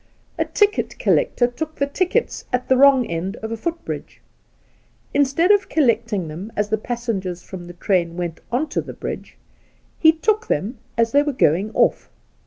A ticket collector took the tickets at the wrong end of a footbridge. Instead of collecting them as the passengers from the train 'went on to the bridge, he took them as they were going off.